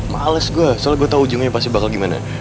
males gue soalnya gue tau ujungnya pasti bakal gimana